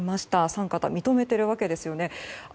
三方、認めているわけですね。